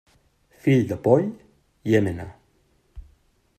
Fill de poll, llémena.